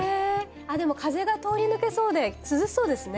でも風が通り抜けそうで涼しそうですね。